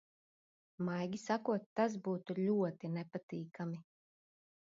Maigi sakot, tas būtu ļoti nepatīkami.